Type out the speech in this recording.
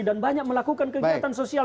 dan banyak melakukan kegiatan sosial